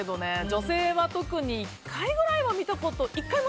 女性は特に、１回ぐらいは見たこと。